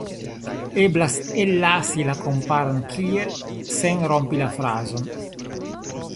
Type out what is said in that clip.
Eblas ellasi la komparan kiel sen rompi la frazon.